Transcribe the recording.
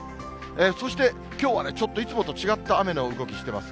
そしてきょうはね、ちょっといつもと違った雨の動きしてます。